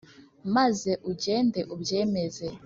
Maze ugende ubyemeza